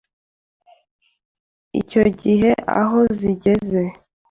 icyo gihe aho zigeze